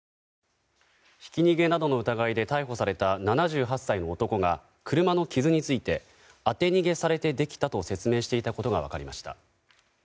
ひき逃げなどの疑いで逮捕された７８歳の男が車の傷について当て逃げされてできたと説明していたことが分かりました。